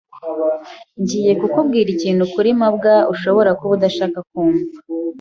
Ngiye kukubwira ikintu kuri mabwa ushobora kuba udashaka kumva.